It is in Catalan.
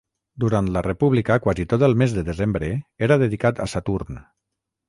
Durant la república quasi tot el mes de desembre era dedicat a Saturn.